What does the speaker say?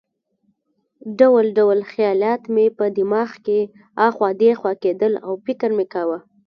ډول ډول خیالات مې په دماغ کې اخوا دېخوا کېدل او فکر مې کاوه.